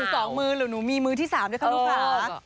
หนูมีอยู่๒มือหรือหนูมีมือที่๓ด้วยครับลูกคราว